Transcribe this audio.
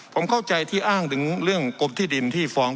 ผมเข้าใจที่อ้างถึงเรื่องกรมที่ดินที่ฟ้อง